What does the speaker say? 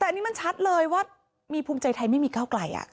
แต่อันนี้มันชัดเลยว่ามีภูมิใจไทยไม่มีก้าวไกล